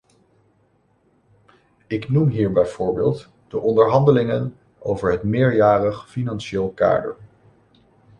Ik noem hier bijvoorbeeld de onderhandelingen over het meerjarig financieel kader.